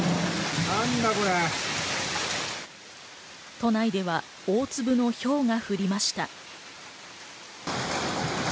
都内では大粒のひょうが降りました。